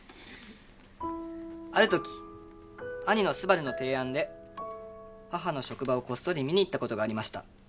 「あるとき兄の昴の提案で母の職場をこっそり見に行ったことがありました」